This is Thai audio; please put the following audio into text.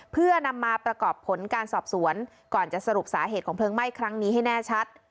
เพื่อนำมาประกอบผลการสอบสวนก่อนจะสรุปสาเหตุของเพลิงไหม้ครั้งนี้ให้แน่ชัด